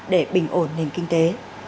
để bình ổn nền kinh tế